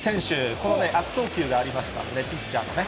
この悪送球がありましたんで、ピッチャーのね。